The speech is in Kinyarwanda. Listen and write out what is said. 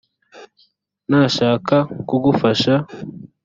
nashaka kugufasha